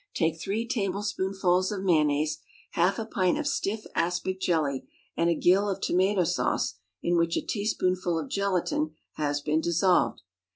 Take three tablespoonfuls of mayonnaise, half a pint of stiff aspic jelly, and a gill of tomato sauce in which a teaspoonful of gelatine has been dissolved.